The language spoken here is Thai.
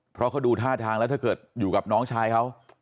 เพราะเขาดูท่าทางแล้วถ้าเกิดอยู่กับน้องชายเขา